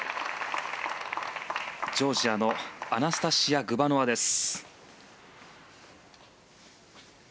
ジョージアのアナスタシヤ・グバノワです。